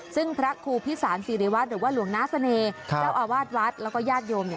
ซึ่งพระคู่พิสารศิริวัตรหรือว่าหลวงนาศเนเจ้าอาวาสวัสดิ์แล้วก็ญาติโยม